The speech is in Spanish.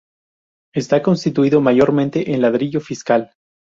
Está construido mayormente en ladrillo fiscal.